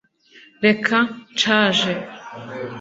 reka nshaje